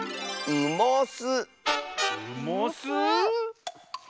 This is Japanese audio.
うもす！